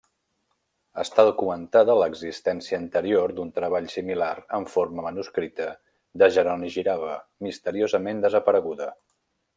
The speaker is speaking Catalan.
Està documentada l’existència anterior d’un treball similar en forma manuscrita de Jeroni Girava, misteriosament desapareguda.